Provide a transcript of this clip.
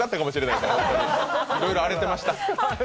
いろいろ荒れてました。